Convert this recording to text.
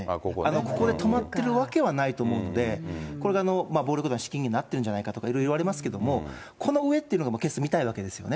ここで止まってるわけはないと思うんで、これが暴力団の資金源になってるんじゃないかとかいろいろ言われてますけれども、この上ってのが見たいわけですよね。